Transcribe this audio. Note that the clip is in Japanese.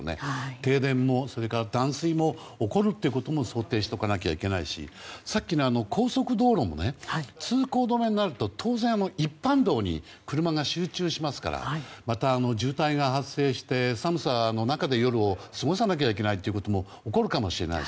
停電も断水も起こるということも想定しないといけないしさっきの高速道路も通行止めになると当然、一般道に車が集中しますからまた渋滞が発生して寒さの中で夜を過ごさなきゃいけないということも起こるかもしれないし。